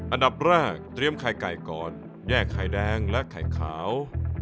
อันดับแรกเตรียมไข่ไก่ก่อนแยกไข่แดงและไข่ขาว